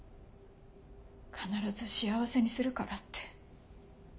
必ず幸せにするからって。